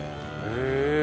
へえ。